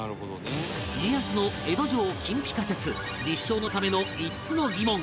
家康の江戸城金ピカ説立証のための５つの疑問